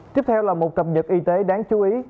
tiếp theo là một cập nhật y tế đáng chú ý